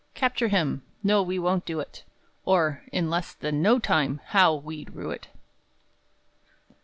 V. Capture him! no we won't do it, Or, in less than no time, how we'd rue it!